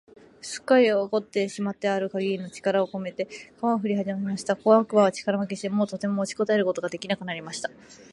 すっかり怒ってしまってある限りの力をこめて、鎌をふりはじました。小悪魔は力負けして、もうとても持ちこたえることが出来なくなりました。